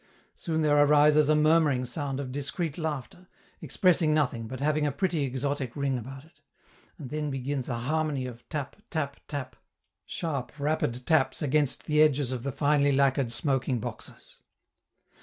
Soon there arises a murmuring sound of discreet laughter, expressing nothing, but having a pretty exotic ring about it, and then begins a harmony of tap! tap! tap! sharp, rapid taps against the edges of the finely lacquered smoking boxes.